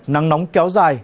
nắng nóng kéo dài